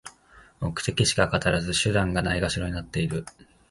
目的しか語らず、手段がないがしろになってる